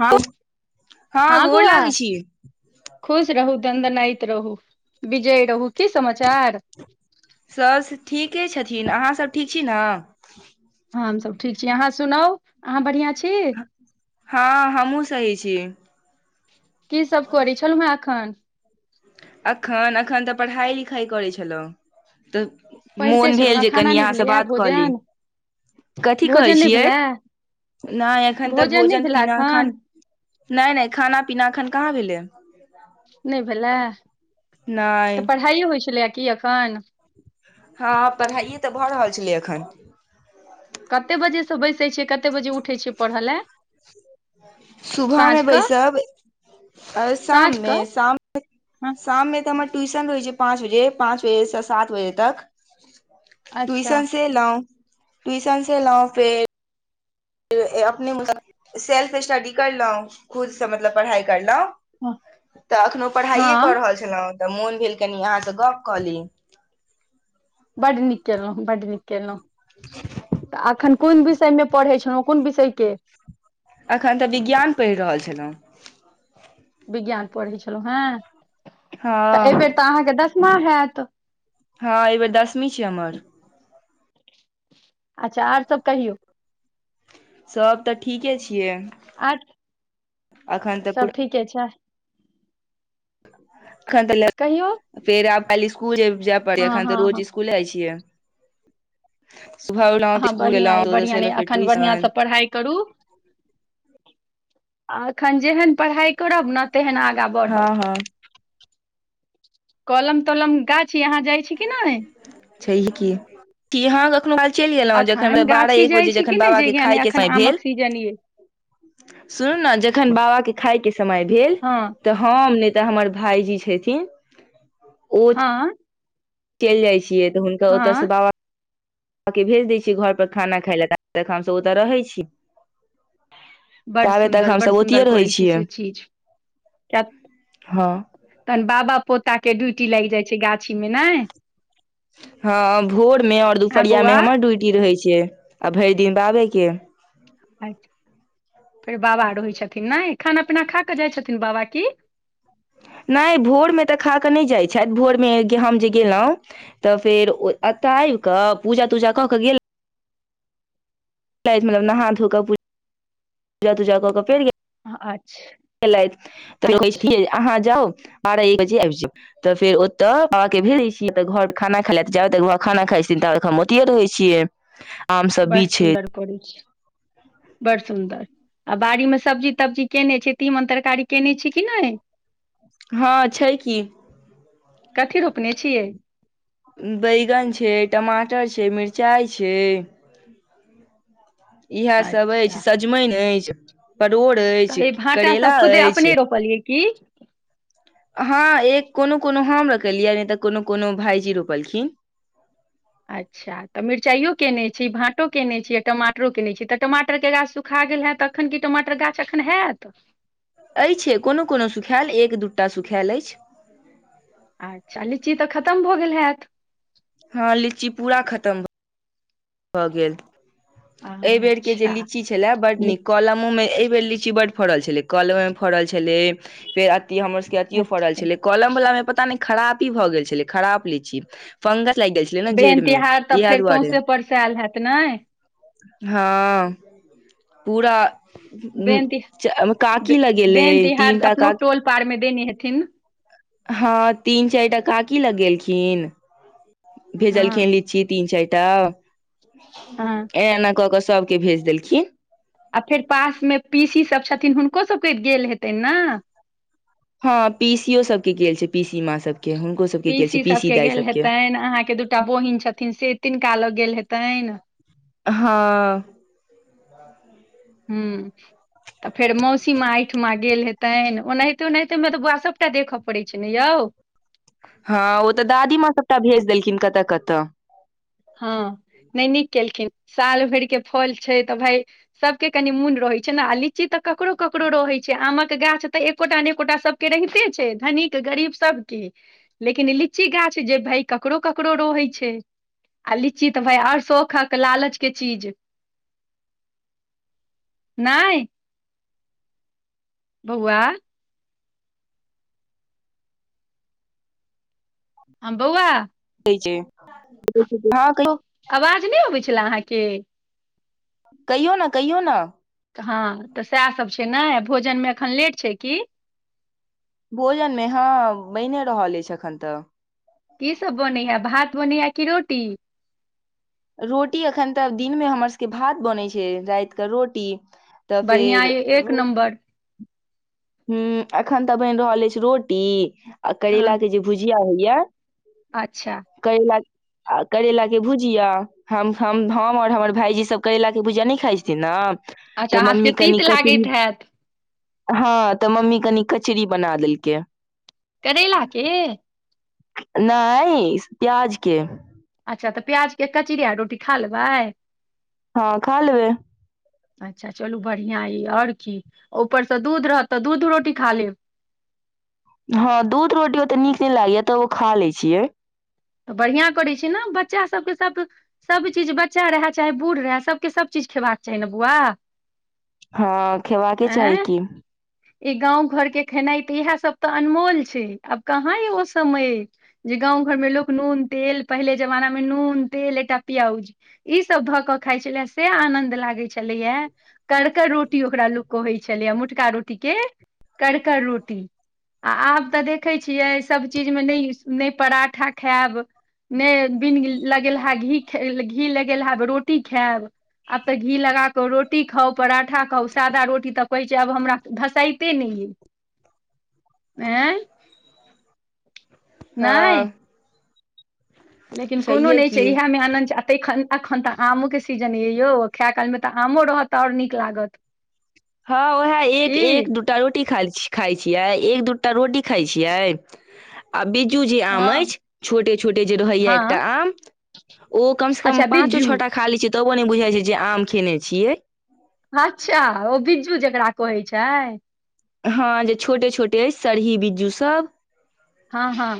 हँ हँ गोर बौआ लागै छी खुश रहू दन्दनाइत रहू विजय रहु की समाचार सब ठीके छथिन अहाँसभ ठीक छी ने हँ हमसभ ठीक छी अहाँ सुनउ अहाँ बढ़ियां छी हँ हमू सहि छियै की सब करै छलहु हँ एखन एखन एखन तऽ पढ़ाइ लिखाइ करै छलहुँ तऽ पढ़िते मोन छलहुँ भेल हेँ जे खाना कनि नहि अहाँसँ भेलैए बात कऽ ली भोजन कथी भोजन कहै नहि छियै भेलए नहि एखन तऽ भोजन पीना एखन नहि नहि खाना पीना एखन कहाँ भेलै नहि भेलै नहि तऽ पढ़ाइए होइ छलैए की एखन हँ पढ़ाइए तऽ भऽ रहल छलै एखन कतेक बजेसँ बैसै छियै कतेक बजे उठै छियै पढ़य लए सुबह में साँझके बैसब आ साँझके शाममे शाम हँ शाममे तऽ हमर ट्यूशन रहैत छै पाँच बजे पाँच बजेसँ सात बजे तक अच्छा ट्यूशन से एलू ट्यूशन से ऐंलौँ फेर अपने मतलब सेल्फ स्टडी करलहुँं खुदसँ मतलब पढ़ाइ हँ करलहुँ तऽ अखनो पढ़ाइए कऽ हँ, रहल छलहुँ तऽ मोन भेल कनि अहाँसँ गप कऽ ली बड्ड नीक कलहुँ बड्ड नीक कलहुँ तऽ एखन कोन विषय मे पढ़ै छलहुं कोन विषय के अखन तऽ विज्ञान पढ़ि रहल छलहुँ विज्ञान पढ़ै छलहुँ हें तऽ हँ एहिबेर तऽ अहाँके दसमा होत हँ एहि बेेर दसमी छै हमर अच्छा आर सब कहियौ सब त ठीके छिय आर पूरा। सब ठीके छै एखन तलेंक कहियौ फेर आब कालिह स्कुल जाय पड़य या हँ अखन हँ त रोज हँ स्कुल जाइ छियै सुबह उठलहूँ हँ स्कूल बढ़िआँ अइ बढ़िआँ नहि ऐलौह फेर एखन बढ़िआँसँ ट्यूशन पढ़ाइ करू आ एखन जेहन पढ़ाइ करब ने तेहन आगाँ हँ बढ़ब हँ कलम तलम गाछीआहाँ जाइ छी कि नहि छैहे की की हाँ कखनो चलि गेलहुँ जखन अखन बारह गाछी एक जाइ बजे छी कि जखन नहि बाबा जे के खााय याने के अखन समय आमक भेल सीजन ये सुनू ने जखन बाबाके खाायके समय भेल हँ तऽ हम तऽ हमर भइजी छथिन ओ आँ चलि जाइ छियै तऽ हुनका ओतयसँ हँ बाबा के भेज दै छी घर पर खाना खाय लए त तक हमस ओतय रहै छी [unintelligible] बड़ ताबे तक सुन्दर बड़ हमसभ ओतहिए सुन्दर रहै करै छै छियै से चीज हँ तहन बाबा पोता के ड्यूटी लागि जाइ छै गाछी मे ने हँ भोर मे आओर आँ दुपहरियामे बौआ हमर ड्यूटी रहै छै आ भरि दिन बाबे के फेर बाबा रहै छथिन नहि खाना पीना खााकऽ जाइ छथिन बाबा की नहि भोरमे तऽ खा कऽ नहि जाइत छथि भोरमे हम जे गेलहुँ तऽ फेर एत आबि कऽ पूजा तूजा क के गेल कहि कें मतलब नहा धोऽक पूजा पूजा तूजा क के चलि अच्छा गेलैथ अच्छा त- अहाँ जाउ बारह एक बजे आबि जाउ तऽ फेर ओतय बाबा के भेजै छियै तऽ घर खाना खाया जाब तक खाना खाइ छथिन ताब तक हम ओतियए रहै छियै [unintelligible] भी बड़ छै सुन्दर करैय छी बड़ सुन्दर आ बाड़ीमे सब्जी तब्जी कयने छै तीमन तरकारी कयने छी कि नहि हँ छै कि कथी रोपने छियै बैगन छै टमाटर छै मिरचाइ छै इएह सब अछि अच्छा सजमनि अछि परोड़ तऽ अछि ई भाँटा करेेला सब खुदे अपने अछि रोपलियै की हँ एक कोनो कोनो हम रोपलियै नहि तऽ कोनो कोनो भाईजी रोपलखिन अच्छा तऽ मिरचाइो केयने छी भाँटो केने छी आ टमाटरो केने छी तऽ टमाटरके गाछ सुख खा गेल है त एखन क टमाटर गाछ एखन हैत अछि कोनो कोनो सुखायएल एक दू टा सुखायल अछि अच्छा लीची तऽ खतम भऽ गेल हैत हँ लीची पूरा खतम भ भऽ गेल आ एहि बेरके जे लीची छलय बड्ड नीक कलमोमे एहि बेर लीची बड्ड फड़ल छलै कलम मे फड़ल छलै फेर अति हमर सभके अतियो फड़ल अच्छा छलै कलम वला मे पता नहि खरापी भऽ गेल छलै खराब लीची फंगस लागि गेल छलै ने जेड़ में इएह दुआरे ऊपर से आयल हायैत ने हँ पूरा बेन तिह काकी बे- बेन लगेेल तिहार तीनटा अपनो काकी टोल पार मे देनी हेथिन हँ तीन चारि टा काकी लग गेलखिन भेजलखिन हँ लीची तीन चारिटा हँ ए एना कऽ कऽ सभके भेज देलखिन आ फेर पास मे पीसी सब छथिन हुनको सबके गेल हेतय ने हँ पीसि यो सब के गेल छै पीसी माँ सबके हु पीसी सबके गेल हेतनि अहाँके दूटा बहिन छथिन से तिनका लोग गेल हेतनि हँ हुँ तऽ फेर मौसीमा एहिठमा गेल हेतनि ओनाहिते ओनाहितेमे तऽ बुआ सभटा देखय पड़ैत छै ने यौ हँ ओ तऽ दादीमााँ सबटा भेज देलखिन कतऽ कतऽ हँ नहि नीक केलखिन साल भरि के फल छै तऽ भाय सभके कनि मोन रहैत छै ने आ लीची तऽ ककरो ककरो रहैत छै आमक गाछ तऽ एकोटा नेएकोटा सभ के रहिते छै धनीक गरीब सबके लेकिन लीची गाछ जे भई ककरो ककरो रहै छै आ लीची तऽ भाय आओर शोखक लालच के चीज नहिइ बौआ हँ बौआ ह हँ, [unintelligible] आवाज नहि अबैत छल अहाँ के कहियौ ने कहियौ ने हँ, तऽ सएह सभ छै ने, भोजनमे एखन लेट छै की? भोजनमे हँ, बहिने रहल अछि एखन तऽ। की सभ बनैए? भात बनैए कि रोटी? रोटी एखन तऽ दिनमे हमर सभके भात बनैत छै, रातिमे रोटी। तऽ बढ़िआँ फेर अइ एक रो नम्बर हँ, एखन तऽ बनि रहल अछि रोटी आ हँ करैलाक जे भुजिया होइए। अच्छा कै लक आ करैलाके भुजिया हम, हम आओर हमर भायजी सभ करैलाके भुजिया नहि खाइ छथिन ने। अच्छा तऽ अहाँ सभके मम्मी कनि तीत कथि लागैत हैत हँ तऽ मम्मी कनि कचरी बना देलकै। करैला के नहि प्याज के। अच्छा तऽ प्याज के कचरी आ रोटी खा लेबै हँ खा लेबै अच्छा, चलू बढ़िआँ य, आओर की, ऊपरसँ दूध रहत तऽ दूधो रोटी खा लेब। हँ, दूध रोटी ओते नीक नहि लागैए, तबो खा लैत छियै। तऽ बढ़िआँ करै छै ने, बच्चा सभके सभ। सभ चीज, बच्चा रहै चाहे बूढ़ रहै, सभके सभ चीज खेबाक चाही ने, बौआ। हँ खेबाका के चाही आँय की ई गाम घरक खेनाइ तऽ इएह सभ अनमोल छै, आब कहाँ यऽ ओ समय। जे गाँव घरमे लोक नून तेल, पहिल जमाना मे नून तेल, एकटा पियाउज। ई सभ भऽ कऽ खाइत छलै, से आनन्द लागैत छलै। करकड़ रोटी ओकरा लोककेँ होइत छलैए, मोटका रोटीकेँ करकड़ रोटी। आ आब तऽ देखै छियै सभचीजमे नहि नहि पराठा खायब। नहि, बिनु घी लगेल हे, घी लगेल हे रोटी खायब। आब तऽ घी लगा कऽ रोटी खाउ, पराठा खाउ, सादा रोटी तऽ कहै छै आब हमरा। धसाईते नहि आँ नहि हँ लेकिन कोनो छैहे नहि छै। की इह में आनन्द च तेखन एखन तऽ आमोके सीजन अए यौ, खाइए कालमे तऽ आमो रहत आओर नीक लागत। हँ उएह एक की एक द टा रोटी खाइ छियै, एक दूटा रोटी खाइ छियै। आ बिज्जू जे आम हँ अछि, छोटे छोटे जे रहैए, हँ एकटा आम। ओ कम से कम अच्छा पाँचो बिज्जू छओटा खाली छियै, तबो ने बुझाइ छै जे आम खेने छियै। अच्छा ओ बिज्जू जकरा कहै छैय हँ जे छोटे छोटे अछि सरही बिज्जूसभ। हँ हँ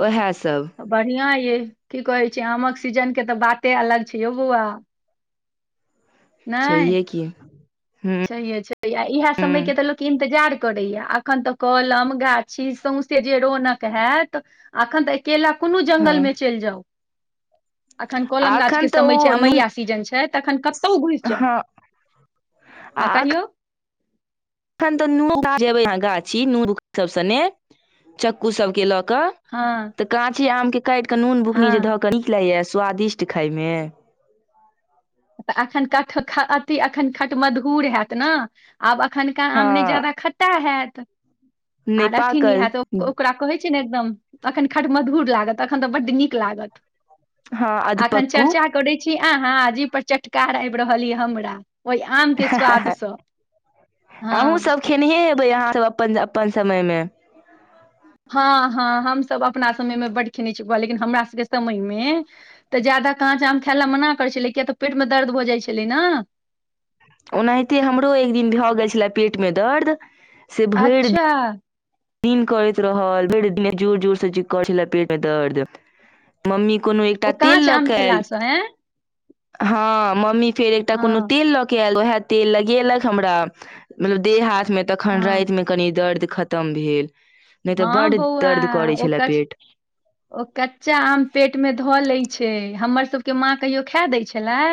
ओएहसभ। बढ़िआँ यऽ, की कहैत छै, आमक सीजनके तऽ बाते अलग छै यौ बौआ। छैहे की हू से छै इएह समयके तऽ लोक इंतजार करैए, एखन तऽ कलम गा। छी, साँचे जे रौनक होइत छै। एखन तऽ अकेला कोनो हँ जंगलमे चलि जाउ। एखन कोलम आ एखन गाछके तऽ समय छै, ओ नू अमिया सीजन छै, तखन कतौ घुसि जाउ। हँ हँ आ कहियौ। एखन तऽ नू जेबे, अह गाछीमे नून सभ, चक्कू सभकेँ लऽ कऽ। हँ तऽ काँचे आम के काटि केऽ नून बुकनी जे हँ धऽ के नीक लागेया स्वादिष्ट खाायं में तऽ एखन खट अथि अखन खट मधुर हैत न आब अखननका आम नहि हँ जादा खट्टा हयत नहि आर अथी न पाकल होयत ओकरा कहै छै एकदम अखन खट मधुर लागत अखन तऽ बड्ड नीक लागत हँ अखन अधपक्कू चर्चा करै छी अह आ जी पर चटकार आबि रहल यए हमरा ओहि आम के स्वादसँ हँ अहूँ सब खेनहे हेबै यहाँ सब अपन अपन समय मे हँ हँ हमसभ अपना समयमे बड्ड खेने छ लेकिन हमरा सभके समयमे तऽ ज्यादा काँच आम खायइ ल मना करै छलै किया तऽ पेट मे दर्द भऽ जाइत छलै ने ओनाहिते हमरो एक दिन भऽ गेल छलए पेटमे दर्द से भरि अच्छा दिन करैत रहल भ जोर जोर से जें करैय छलै पेट मे दर्द मम्मी कोनो एकटा तेल लऽ के आयल आँय हँ मम्मी फेर एकटा हँ कोनो तेल लऽ के आयल उएहे तेल लगेलक हमरा मतलब देह हाथ मे तखन हँ राति मे कनी दर्द खतम भेल नहि तऽ हँ बड्ड बौआ दर्द करै ओ छलै कच पेट ओ कच्चा आम पेट मे धऽ लैत छै हमर सबके माँ कहियो खा दै छलै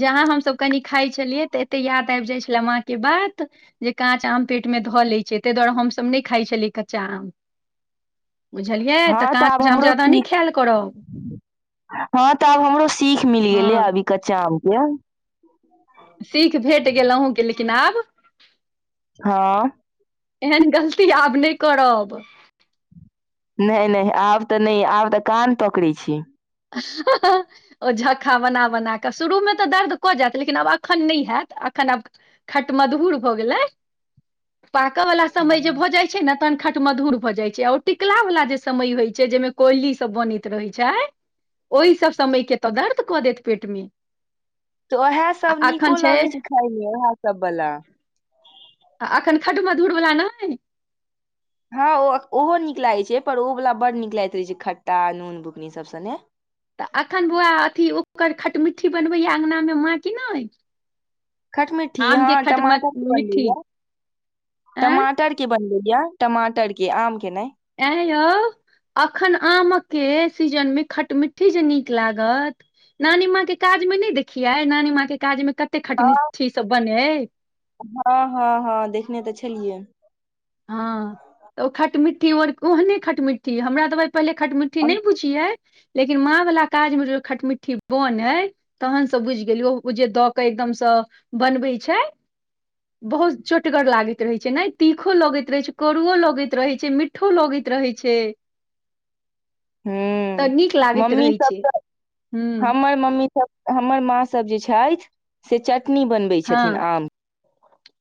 जहाँ हमस कनि खाइ छलियै तऽ एते याद आबि जाइ छलै माँ के बात जे काँच आम पेटमे धऽ लैत छै ताहि दुआरे हमसभ नहि खाइ छलियै कच्चा आम बुझलियै तऽ हँ आब काम जाम हमरो जादा नहि सीख खायल करब हँ तऽ आब हमरो सीख मिल हँ गेलै आब ई कच्चा आम के सीख भेट गेल अहुँ के लेकिन आब हँ एहन गलती आब नहि करब नहि नहि आब तऽ नहि आब तऽ कान पकड़ै छी हँ हहह ओ झक्का बना बना कऽ शुरूमे तऽ दर्द कऽ जायत लेकिन आब एखन नहि हयत एखन आब खट मधुर भऽ गेलै पाकऽ वला समय जे हँ भऽ जाइ छै ने तन खट मधुर भऽ जाइ छै ओ टिकला वाला जे समय होय छै जाहिमे कोयली सब बनैत रहे छै ओहि सब समय के तऽ दर्द कऽ देत पेटमे तऽ ओएह सब नीको लगैत छै खााय मे उएह सब बला आ एखन खठमधुर वला नहि हँ ओ ओहो नीक लागैत छै पर ओ वालला बड्ड नीक लागैत रहै छै खट्टा नून बुकनी सब सने तऽ एखन बौआ अथी ओकर खटमिट्ठी बनबैया अङ्गनामे माँ कि नहि खटमीट्ठी आम के हँ खटम टमाटर के बनबै मिट्ठी या एं टमाटर के बनबै या टमाटर के आम के नहि ऐं यौ एखन आमके सीजनमे खटमिट्ठी जे नीक लागत नानी माँ के काज मे नहि देखियै नानी माँ के काज मे कते हँ खटमठी सब बनै हँ हँ हँ देखने तऽ छलियै हँ तऽ खटमट्ठी ओहने खट मिट्ठी हमरा त पहिले खट मिट्ठी हूँ नहि बुझ लेकिन माँ वला काज मे ज खटमिट्ठी बनै तहन से बुझि गेलिय ओ ओ जे दऽ के एकदमसँ बनबै छै बहुत चोटगर लागैत रहै छै ने ती तीखो लगैत रहै छै करुओ लगैत रहै छै मिठो लगैत रहै छै तऽ हुँ नीक लागैत मम्मी रहै सब छै तऽ हूँ हमर मम्मी सब हमर माँ सब जे छथि सें चटनी बनै हँ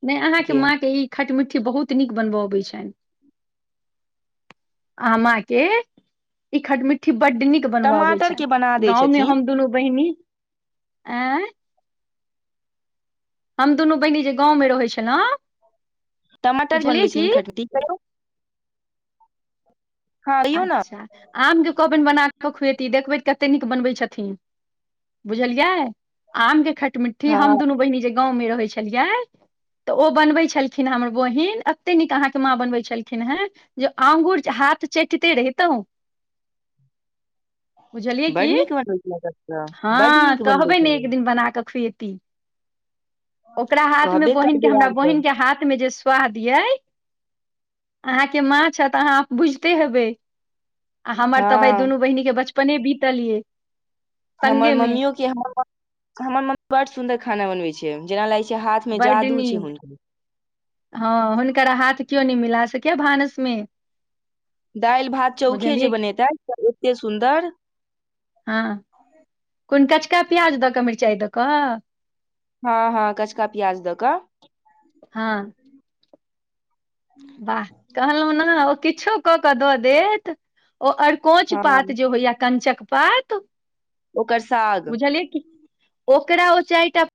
नहि अहाँके माँ के ई खट मिट्ठी बहुत नीक बनबय अबैत छनि आम के ई खठ मिट्ठी बड्ड नीक बनब आबै टमाटर छैन के बना दै गाँव मे छथिन हम दुनू बहिनी आइ हम दुनू बहिनी जे गाँवमे रहै छलैह माटर बनबै छिही खट मिठटी हँ कहियौ ने अच्छा आमके कहबैन बना कऽ खुएती देखबैऽ कतेक नीक बनबै छथिन बुझलियै आमके खटमिट्ठी हम हँ दुनू बहिनी जे गाँवमे रहै छलियै तऽ ओ बनबैत छलखिने हमर बहिन एते नीक अहाँके माँ बनबैत छलखिन हेँ जो आंगुर हाथ चटते रहितो बुझलियै बड की नीक बनबै छलै तब तऽ बड हँ नीक बनबै कहबैन छलै एक दिन बना कऽ खुएती ओकरा हाथ मे कहबे बहिन के करबै हमरा आब तऽ बहिन के हाथ मे जे स्वाद आई आहाँ के माँ छैथ आहाँ बुझते हेबै आ हमर तऽ भाय हँ दुनू बहिनी के बचपने बीतलियै हमर मम्मियो के हमर मम्मी बड्ड सुन्दर खाना बनबै छै जेना लागैत छै हाथ मे बड्ड जादू छै नीक हुनकर हँ हुनकर हाथ कियो नहि मिला सकै ए भानसमे दालि भात चौखे जे की बनेैतथि त एतेक सुन्दर हँ कोन कचका प्याज दऽ कऽ मिरचाइ दऽ कऽ हँ हँ कचका प्याज दऽ कऽ हँ बाह कहलहु नै ओ किछो कऽ क दऽ देत ओ अरकोच पात हँ जे होइ य कंचक पात ओकर साग बुझलियै कि ओकरा ओ चारिटा